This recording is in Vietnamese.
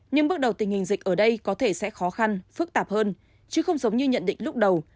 nhưng bước đầu tình hình dịch ở đây có thể sẽ khó khăn phức tạp hơn chứ không giống như nhận định lúc đầu